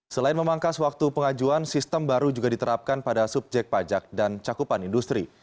selain memangkas waktu pengajuan sistem baru juga diterapkan pada subjek pajak dan cakupan industri